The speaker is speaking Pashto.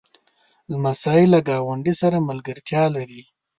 لمسی له ګاونډ سره ملګرتیا لري.